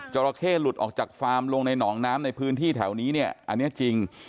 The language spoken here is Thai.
จราเข้หลุดออกจากฟาร์มลงในหนองน้ำในพื้นที่แถวนี้เนี่ยอันนี้จริง